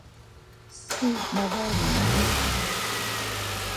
Si ma var memaşkumer.